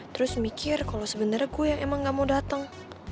terus mikir kalo sebenernya gue yang emang gak mau dateng